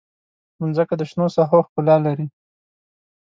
مځکه د شنو ساحو ښکلا لري.